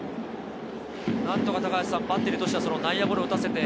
なんとかバッテリーとしては内野ゴロを打たせて。